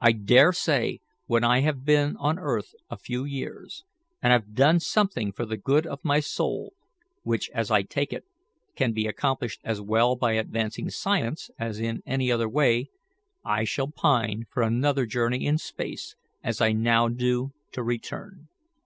I dare say when I have been on earth a few years, and have done something for the good of my soul which, as I take it, can be accomplished as well by advancing science as in any other way I shall pine for another journey in space as I now do to return."